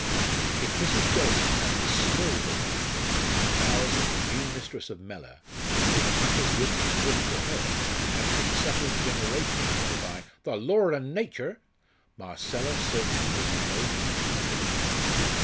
If Mrs. Jellison had this small belief in the powers of the new mistress of Mellor over matters which, according to her, had been settled generations ago by "the Lord and natur'," Marcella certainly was in no mood to contradict her.